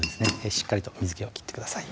しっかりと水気を切ってください